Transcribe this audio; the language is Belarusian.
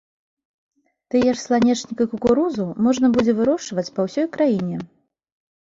Тыя ж сланечнік і кукурузу можна будзе вырошчваць па ўсёй краіне.